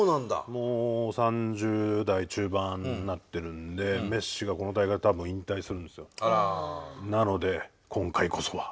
もう３０代中盤になってるんでメッシがこの大会多分引退するんです。